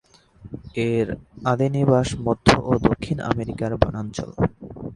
এর আদি নিবাস মধ্য ও দক্ষিণ আমেরিকার বনাঞ্চল।